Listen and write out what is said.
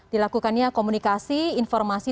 dilakukannya komunikasi informasi